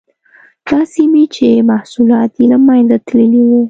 دا سیمې چې محصولات یې له منځه تللي وو.